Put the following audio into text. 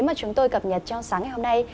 mà chúng tôi cập nhật trong sáng ngày hôm nay